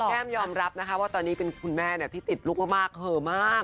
แก้มยอมรับนะคะว่าตอนนี้เป็นคุณแม่ที่ติดลุคมากเหอะมาก